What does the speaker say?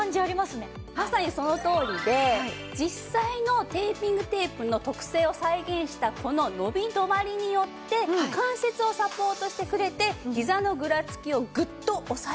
まさにそのとおりで実際のテーピングテープの特性を再現したこの伸び止まりによって関節をサポートしてくれてひざのぐらつきをグッとおさえてくれるんです。